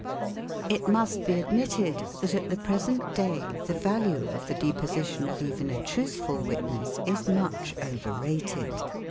It must be admitted that at the present day the value of the deposi tion of even a truthful witness is much over rated.